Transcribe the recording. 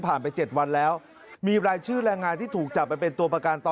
ผ่านไป๗วันแล้ว